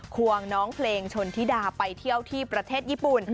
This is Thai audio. วงน้องเพลงชนธิดาไปเที่ยวที่ประเทศญี่ปุ่น